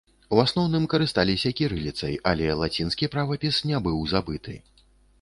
У асноўным карысталіся кірыліцай, але лацінскі правапіс не быў забыты.